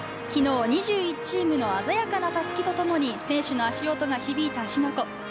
昨日、２１チームの鮮やかな襷とともに選手の足音が響いた芦ノ湖。